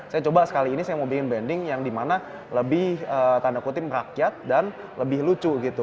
saya coba sekali ini saya mau bikin branding yang dimana lebih tanda kutip rakyat dan lebih lucu gitu